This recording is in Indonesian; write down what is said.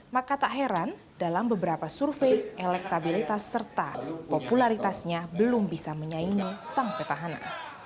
maka tak heran dalam beberapa survei elektabilitas serta popularitasnya belum bisa menyaingi sang petahana